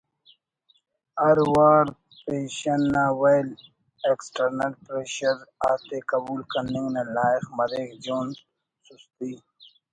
ہر وار پیشن نا well (External Pressure) آتے قبول کننگ نا لائخ مریک جون سستی